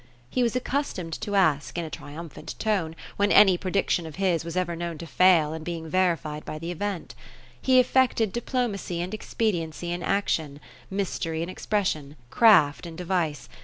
He was accustomed to ask, in a triumphant tone, when any prediction of his was ever known to fail in being verified by the event He affected diplomacy and expediency in action ; mystery in expression : craft in device.